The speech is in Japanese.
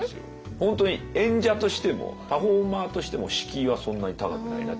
本当に演者としてもパフォーマーとしても敷居はそんなに高くないなって。